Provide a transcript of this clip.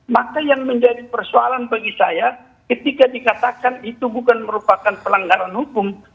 maka yang menjadi persoalan bagi saya ketika dikatakan itu bukan merupakan pelanggaran hukum